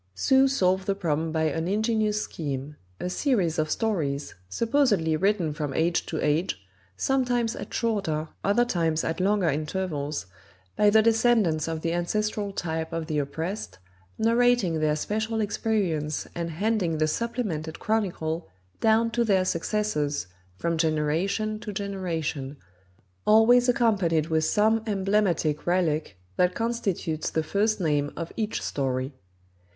Sue solved the problem by an ingenious scheme a series of stories, supposedly written from age to age, sometimes at shorter, other times at longer intervals, by the descendants of the ancestral type of the oppressed, narrating their special experience and handing the supplemented chronicle down to their successors from generation to generation, always accompanied with some emblematic relic, that constitutes the first name of each story.